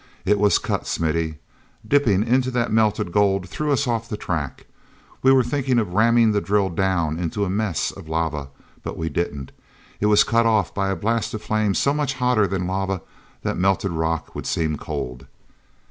It was cut, Smithy! Dipping into that melted gold threw us off the track; we were thinking of ramming the drill down into a mess of lava. But we didn't. It was cut off by a blast of flame so much hotter than lava that melted rock would seem cold!"